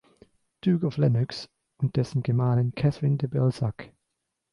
Duke of Lennox, und dessen Gemahlin Catherine de Balsac.